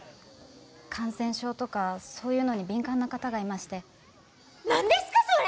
感染症とかそういうのに敏感な方がいまして何ですかそれ！